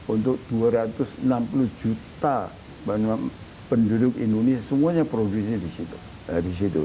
untuk dua ratus enam puluh juta penduduk indonesia semuanya produksinya di situ